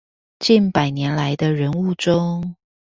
近百年來的人物中